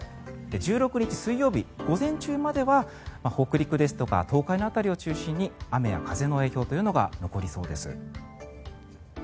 １６日水曜日午前中までは北陸ですとか東海辺りを中心に雨や風の影響というのが残りそうです。